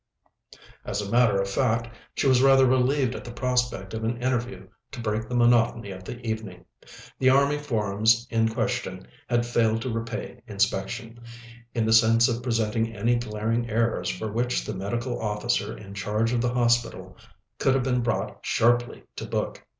As a matter of fact, she was rather relieved at the prospect of an interview to break the monotony of the evening. The Army Forms in question had failed to repay inspection, in the sense of presenting any glaring errors for which the Medical Officer in charge of the Hospital could have been brought sharply to book.